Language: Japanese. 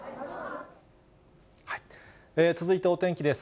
続いてお天気です。